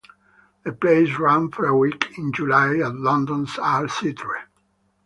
The plays ran for a week in July at London's Arts Theatre.